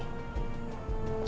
saya juga penasaran pak